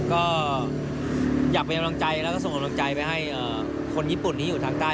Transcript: ก็อยากเป็นกำลังใจแล้วก็ส่งกำลังใจไปให้คนญี่ปุ่นที่อยู่ทางใต้